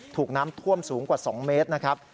ถูกน้ำท่วมสูงกว่า๒เมตรนะครับ